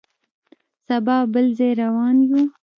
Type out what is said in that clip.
سبا بل ځای روان یو.